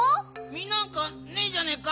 みなんかねえじゃねえか！